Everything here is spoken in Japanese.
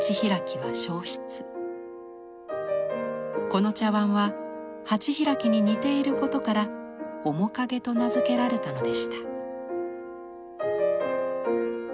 この茶碗は「鉢開」に似ていることから「面影」と名付けられたのでした。